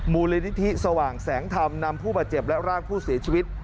มูลนิธิสว่างแสงธรรมนำผู้บาดเจ็บและร่างผู้เสียชีวิต